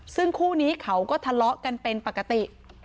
ซึ่งคู่นี้เขาก็ทะเลาะกันเป็นปกติ